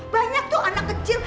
banyak tuh anak kecil